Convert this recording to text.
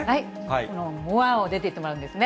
この、もあを出ていってもらうんですね。